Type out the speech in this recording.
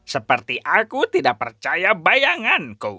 seperti aku tidak percaya bayanganku